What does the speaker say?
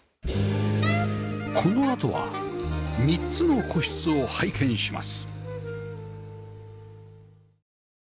このあとは３つの個室を拝見します